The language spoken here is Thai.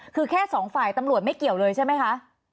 คือแค่สองฝ่ายตำรวจไม่เกี่ยวเลยใช่ไหมคะ